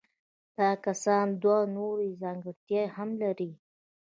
دا کسان دوه نورې ځانګړتیاوې هم لري.